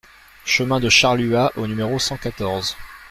Chemin de Charluat au numéro cent quatorze